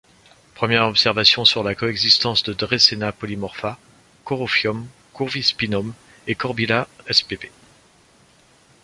Premières observations sur la coexistence de Dreissena polymorpha, Corophium curvispinum et Corbicula spp.